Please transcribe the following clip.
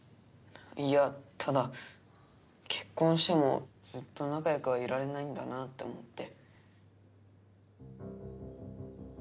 いやただ結婚してもずっと仲良くはいられないんだなって思って。